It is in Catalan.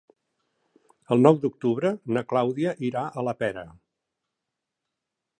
El nou d'octubre na Clàudia irà a la Pera.